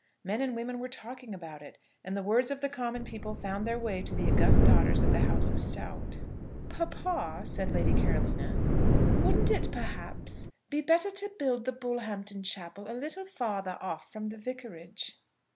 Men and women were talking about it, and the words of the common people found their way to the august daughters of the house of Stowte. "Papa," said Lady Carolina; "wouldn't it, perhaps, be better to build the Bullhampton chapel a little farther off from the Vicarage?"